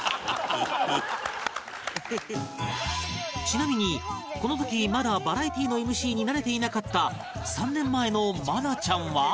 ちなみにこの時まだバラエティーの ＭＣ に慣れていなかった３年前の愛菜ちゃんは